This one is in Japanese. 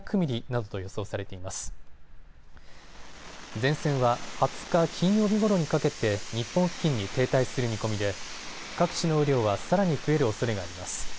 前線は２０日、金曜日ごろにかけて日本付近に停滞する見込みで各地の雨量はさらに増えるおそれがあります。